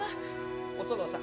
お園さん。